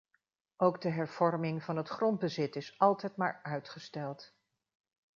Ook de hervorming van het grondbezit is altijd maar uitgesteld.